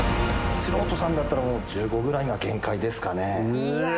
素人さんだったら、１５段ぐらいが限界ですかね。